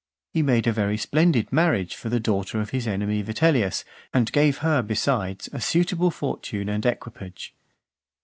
He made a very splendid marriage for the daughter of his enemy Vitellius, and gave her, besides, a suitable fortune and equipage.